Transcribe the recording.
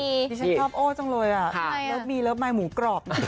ตอนนี้ฉันชอบโอ๊ะจังเลยรับมีรับไม่หมูกรอบ